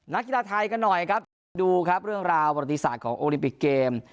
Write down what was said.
นักกีฬาไทยกันหน่อยครับดูเรื่องราวบรรฏิษฐาของโอลิมปิกเกม